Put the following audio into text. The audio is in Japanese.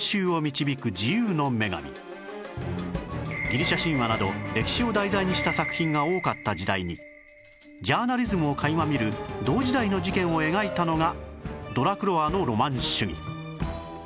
ギリシャ神話など歴史を題材にした作品が多かった時代にジャーナリズムを垣間見る同時代の事件を描いたのがドラクロワのロマン主義